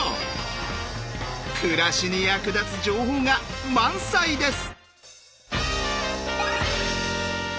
暮らしに役立つ情報が満載です！